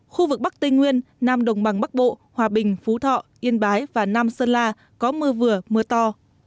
khu vực bắc tây nguyên nam đồng bằng bắc bộ hòa bình phú thọ yên bái và nam sơn la có mưa vừa mưa to